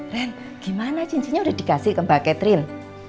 ren gimana cincinnya udah dikasih ke mbak catril